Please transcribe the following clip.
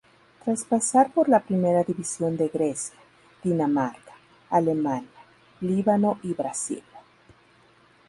Tras pasar por la Primera División de Grecia, Dinamarca, Alemania, Líbano y Brasil.